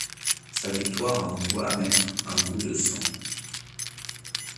Sa victoire a un goût amer, un goût de sang.